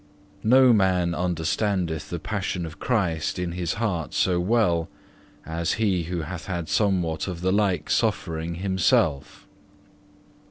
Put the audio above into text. No man understandeth the Passion of Christ in his heart so well as he who hath had somewhat of the like suffering himself.